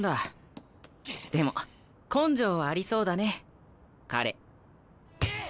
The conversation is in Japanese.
でも根性はありそうだね彼。